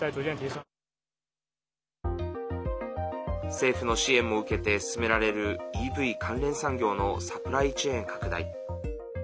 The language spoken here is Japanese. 政府の支援も受けて進められるＥＶ関連産業のサプライチェーン拡大。